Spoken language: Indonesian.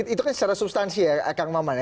itu kan secara substansi ya kang maman ya